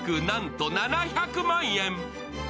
なんと７００万円！